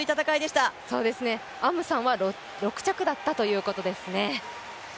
アムサンは６着だったということですね。